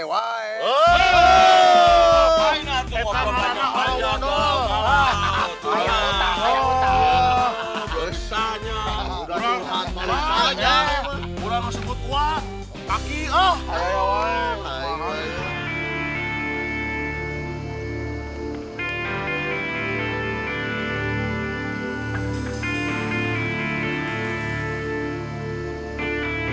eh apaan itu